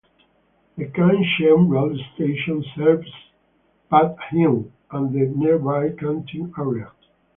The Kam Sheung Road Station serves Pat Heung and the nearby Kam Tin area.